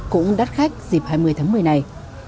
cũng đắt khách dịp hai mươi tháng một mươi này